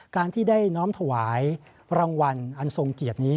การที่ได้น้อมถวายรางวัลอันทรงเกียรตินี้